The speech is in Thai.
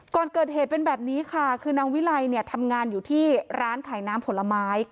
ก่อนเกิดเหตุเป็นแบบนี้ค่ะคือนางวิไลเนี่ยทำงานอยู่ที่ร้านขายน้ำผลไม้